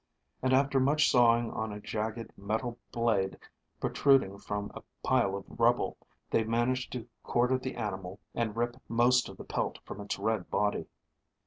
And after much sawing on a jagged metal blade protruding from a pile of rubble, they managed to quarter the animal and rip most of the pelt from its red body.